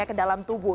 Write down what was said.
ke dalam tubuh